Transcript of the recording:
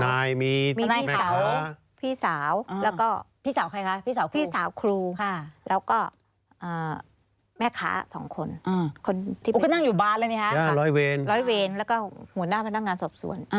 นายมีมีพี่สาว